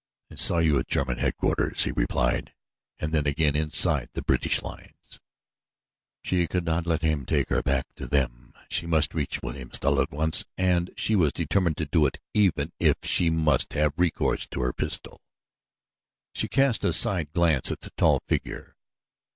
"I saw you at German headquarters," he replied, "and then again inside the British lines." She could not let him take her back to them. She must reach Wilhelmstal at once and she was determined to do so even if she must have recourse to her pistol. She cast a side glance at the tall figure.